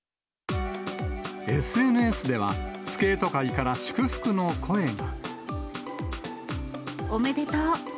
ＳＮＳでは、スケート界から祝福の声が。